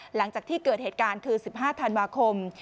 หลังจากที่เกิดเหตุการณ์คือ๑๕ธันวาคม